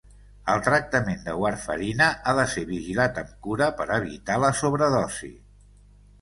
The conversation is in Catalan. El tractament de warfarina ha de ser vigilat amb cura per evitar la sobredosi.